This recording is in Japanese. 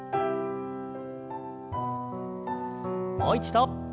もう一度。